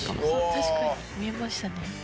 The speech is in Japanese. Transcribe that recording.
確かに見えましたね。